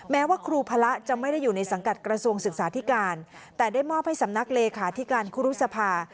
แม้ว่าครูพระจะไม่ได้อยู่ในสังกัดกระทรวงศึกษาธิการแต่ได้มอบให้สำนักเลขาธิการครูรุษภา